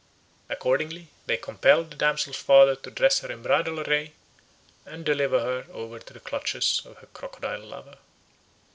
Accordingly, they compelled the damsel's father to dress her in bridal array and deliver her over to the clutches of her crocodile lover.